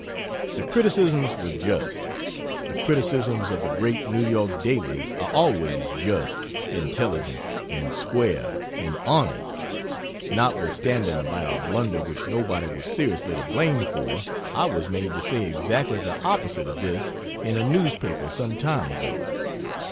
The criticisms were just; the criticisms of the great New York dailies are always just, intelligent, and square and honest notwithstanding, by a blunder which nobody was seriously to blame for, I was made to say exactly the opposite of this in a newspaper some time ago.